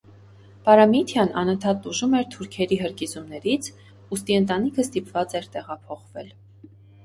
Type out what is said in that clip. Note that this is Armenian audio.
Պարամիթիան անընդհատ տուժում էր թուրքերի հրկիզումներից, ուստի ընտանիքը ստիպված էր տեղափոխվել։